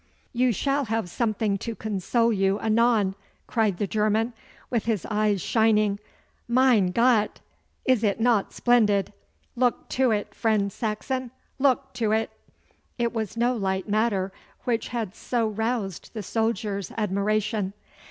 'You shall have something to console you anon,' cried the German, with his eyes shining. 'Mein Gott! Is it not splendid? Look to it, friend Saxon, look to it!' It was no light matter which had so roused the soldier's admiration.